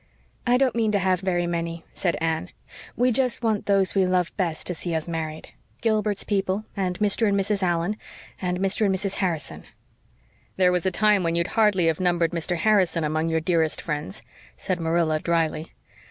"I don't mean to have very many," said Anne. "We just want those we love best to see us married. Gilbert's people, and Mr. and Mrs. Allan, and Mr. and Mrs. Harrison." "There was a time when you'd hardly have numbered Mr. Harrison among your dearest friends," said Marilla drily.